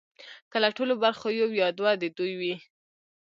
که له ټولو برخو یو یا دوه د دوی وي